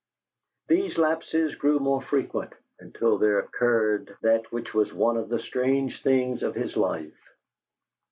These lapses grew more frequent, until there occurred that which was one of the strange things of his life.